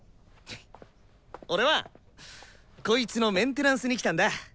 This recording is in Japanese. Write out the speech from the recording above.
俺はこいつのメンテナンスに来たんだ。